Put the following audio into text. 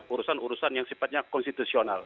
urusan urusan yang sifatnya konstitusional